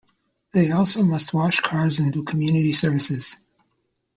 They also must wash cars and do community services.